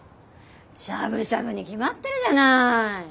しゃぶしゃぶに決まってるじゃない。